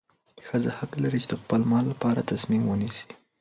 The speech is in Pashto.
ښځه حق لري چې د خپل مال لپاره تصمیم ونیسي.